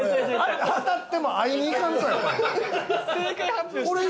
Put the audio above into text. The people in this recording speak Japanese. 当たっても会いにいかんと。